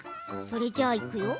それじゃあいくよ。